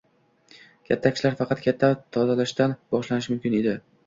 Katta ishlar faqat katta tozalashdan boshlanishi mumkin edi